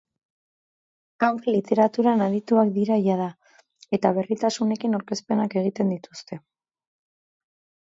Haur literaturan adituak dira jada, eta berritasunekin aurkezpenak egiten dituzte.